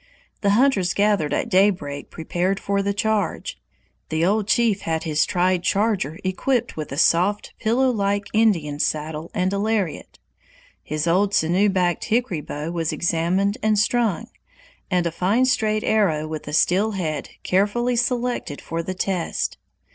The hunters gathered at daybreak prepared for the charge. The old chief had his tried charger equipped with a soft, pillow like Indian saddle and a lariat. His old sinew backed hickory bow was examined and strung, and a fine straight arrow with a steel head carefully selected for the test.